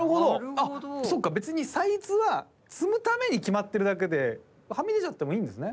あっそっか別にサイズは積むために決まってるだけではみ出ちゃってもいいんですね。